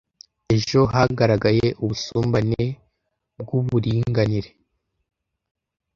ejo hagaragaye ubusumbane bwuburinganire